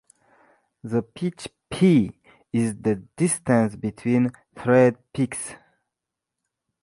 The pitch "P" is the distance between thread peaks.